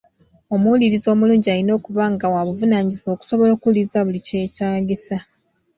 Omuwuliriza omulungi alina okuba nga wa buvunaanyizibwa okusobola okuwuliriza buli kyetaagisa.